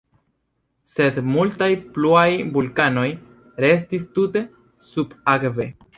Sed multaj pluaj vulkanoj restis tute subakve.